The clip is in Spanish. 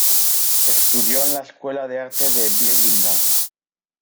Estudió en la Escuela de Arte de Birmingham.